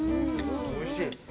おいしい。